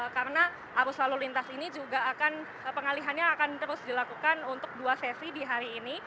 karena arus lalu lintas ini juga akan pengalihannya akan terus dilakukan untuk dua sesi di hari ini